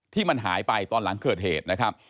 ที่มันหายไปตอนหลังเกิดเหตุนะครับ